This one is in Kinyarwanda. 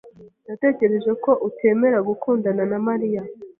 Natekereje ko utemera gukundana na Mariya.